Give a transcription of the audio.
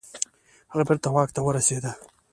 هغه بیرته واک ته ورسیده.